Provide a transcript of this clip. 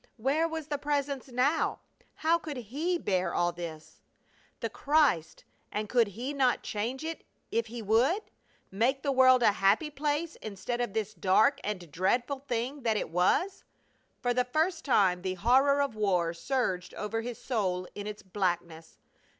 Where was the Presence now? How could He bear all this? The Christ! And could He not change it if He would make the world a happy place instead of this dark and dreadful thing that it was? For the first time the horror of war surged over his soul in its blackness.